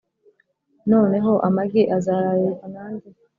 noneho amagi azararirwa na nde?